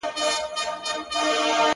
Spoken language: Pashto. په قېمت لکه سېپۍ او مرغلري؛